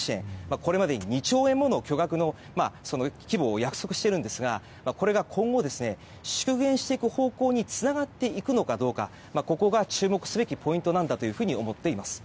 これまでに２兆円もの巨額の規模を約束しているんですがこれが今後、縮減していく方向につながっていくのかどうかここが注目すべきポイントなんだというふうに思います。